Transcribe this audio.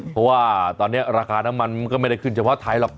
เพราะว่าตอนนี้ราคาน้ำมันก็ไม่ได้ขึ้นเฉพาะไทยหรอก